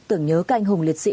tưởng nhớ các anh hùng liệt sĩ